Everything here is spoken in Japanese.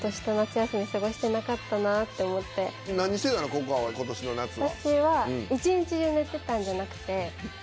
ここあは今年の夏は。